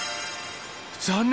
残念。